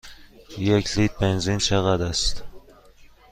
یک لیتر بنزین چقدر است؟